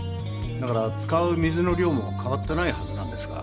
だから使う水の量もかわってないはずなんですが。